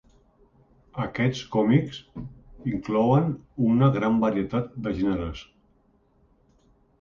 Aquests còmics inclouen una gran varietat de gèneres.